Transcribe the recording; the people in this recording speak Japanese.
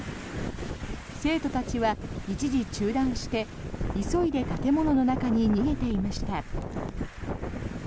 生徒たちは一時中断して急いで建物の中に逃げていました。